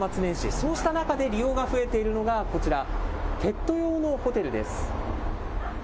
そうした中で利用が増えているのがこちらペット用のホテルです。